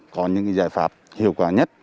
có những giải pháp hiệu quả nhất